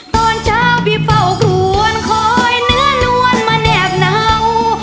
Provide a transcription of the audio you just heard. ตอนเช้าพี่เฝ้าควรคอยเนื้อนวลมาแนบเนา